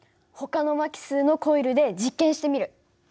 ほかの巻き数のコイルで実験してみる。